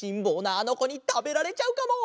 あのこにたべられちゃうかも！